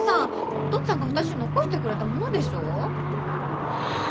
お父っつぁんが私に残してくれたものでしょう？はあ